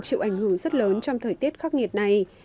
chịu ảnh hưởng rất lớn trong thời tiết khắc nghiệt này